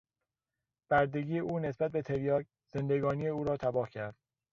بردگی او نسبت به تریاک زندگانی او را تباه کرد.